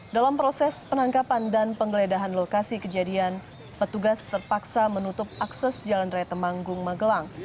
dalam proses penangkapan dan penggeledahan lokasi kejadian petugas terpaksa menutup akses jalan raya temanggung magelang